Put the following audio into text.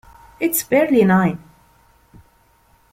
It is barely nine.